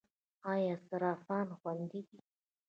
آیا صرافان خوندي دي؟